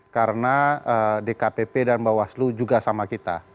karena dkpp dan bawaslu juga sama kita